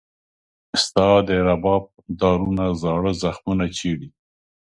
ستا د رباب تارونه زاړه زخمونه چېړي.